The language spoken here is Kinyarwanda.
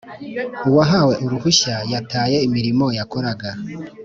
uwahawe uruhushya yataye imirimo yakoraga;